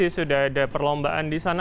sudah ada perlombaan di sana